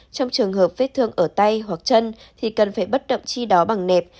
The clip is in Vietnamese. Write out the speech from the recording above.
trong trường hợp vết thương ở tay hoặc chân thì cần phải bất động chi đó bằng nẹp